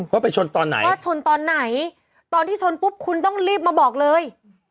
ไปชนตอนไหนว่าชนตอนไหนตอนที่ชนปุ๊บคุณต้องรีบมาบอกเลย